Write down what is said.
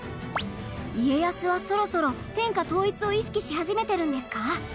家康はそろそろ天下統一を意識し始めてるんですか？